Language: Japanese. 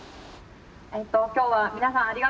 今日は皆さんありがとうございます。